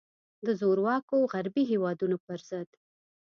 د زورواکو غربي هیوادونو پر ضد.